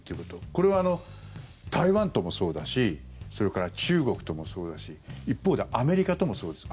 これは台湾ともそうだしそれから中国ともそうだし一方で、アメリカともそうです。